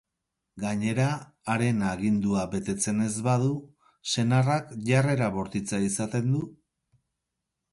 Gainera, haren agindua betetzen ez badu, senarrak jarrera bortitza izaten du.